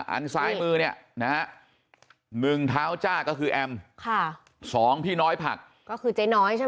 อันซ้ายมือเนี่ยนะฮะ๑เท้าจ้าก็คือแอมค่ะสองพี่น้อยผักก็คือเจ๊น้อยใช่ไหม